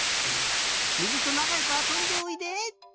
水となかよくあそんでおいで！